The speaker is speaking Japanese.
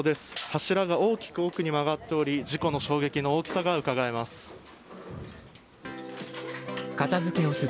柱が大きく奥に曲がっており事故の衝撃の大きさが分かります。